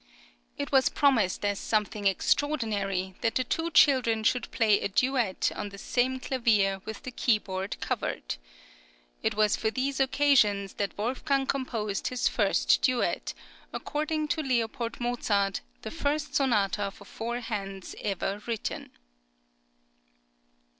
It was promised as something extraordinary that the two children should play a duet on the same clavier with the keyboard covered. It was for these occasions that Wolfgang composed his first duet, according to L. Mozart, the first sonata for four hands ever written.